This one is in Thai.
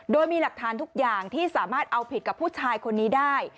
โดยมีหลักฐานทุกอย่างที่สามารถเอาผิดกับผู้ชายคนนี้ได้